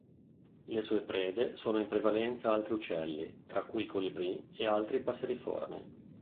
Le sue prede sono in prevalenza altri uccelli, tra cui colibrì ed altri passeriformi.